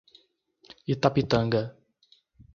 Itapitanga